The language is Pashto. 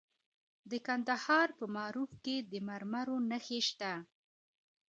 د کندهار په معروف کې د مرمرو نښې شته.